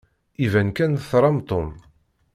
Iban kan tram Tom.